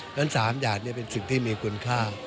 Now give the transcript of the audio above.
นั่นสามอย่างนี่เป็นสิ่งที่มีคุณค่า